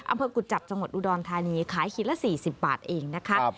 กุจจับจังหวัดอุดรธานีขายขีดละ๔๐บาทเองนะคะ